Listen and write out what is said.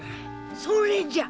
それじゃ！